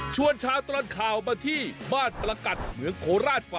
ชวนช้าตอนข่าวมาที่บ้านประกัดเหมืองโคราชฟาร์ม